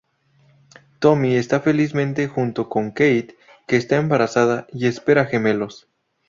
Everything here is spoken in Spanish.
Tommy está felizmente junto con Kate, que está embarazada y espera gemelos.